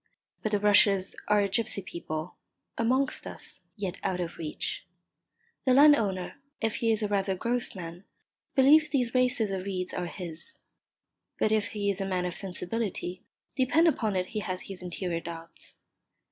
But the rushes are a gipsy people, amongst us, yet out of reach. The landowner, if he is rather a gross man, believes these races of reeds are his. But if he is a man of sensibility, depend upon it he has his interior doubts.